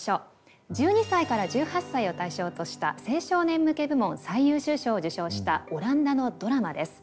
１２歳から１８歳を対象とした青少年向け部門最優秀賞を受賞したオランダのドラマです。